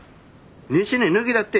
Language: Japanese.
西に抜げたって。